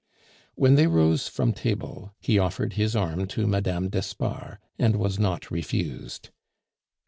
When they rose from table, he offered his arm to Mme. d'Espard, and was not refused.